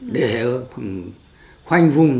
để khoanh vùng